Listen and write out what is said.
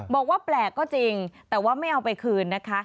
บอกว่าแปลกก็จริงแต่ว่าไม่เอาไปคืนนะคะ